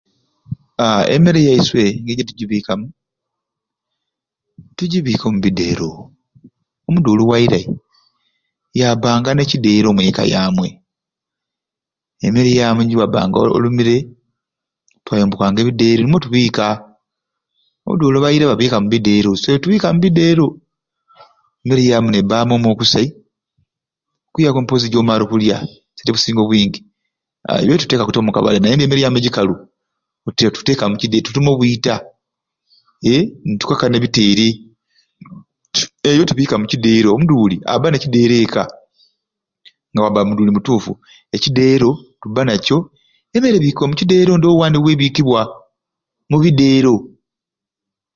Aaa emmere yaiswe engeri jetujibikamu tujibika ombideero, omuduuli wairai yabanga n'ekideero omwekka yamwei emmere yamwei jiwabanga olumiire twayombokanga ebideero nga nimwo tubiika, Abaduli bairai babikanga mubideero emmere yamu nebamu omwo kusai okuyaku mpozi jomare okulya ekikusinga obwingi aaa ebyo tutekaku tte omu kabadda naye mbe emmere yamu ejikalu tute tuteka mukide tuluma obwita, nit'ukeka n'ebiteere eyo tubika mukideero, Omuduli abba n'ekideero ekka nga wabba muduli mutuffu ekideero bba nakyo emmere obika mukideero ndowo wandi webikibwa mubideero.